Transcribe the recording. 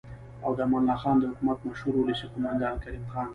او د امان الله خان د حکومت مشهور ولسي قوماندان کریم خان